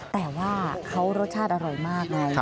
แต่ว่าเขารสชาติอร่อยมากเลย